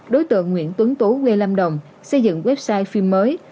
đối tượng nguyễn tuấn tú quê lâm đồng xây dựng website phim mới